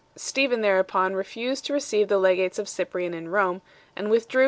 Stephen thereupon refused to receive the legates of Cyprian in Rome, and withdrew 1 Tert.